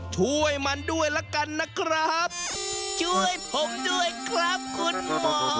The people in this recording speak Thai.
ช่วยมันด้วยละกันนะครับช่วยผมด้วยครับคุณหมอ